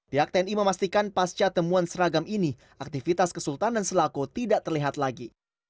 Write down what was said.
pihak tni memastikan pasca temuan seragam ini aktivitas kesultanan selako tidak terlihat lagi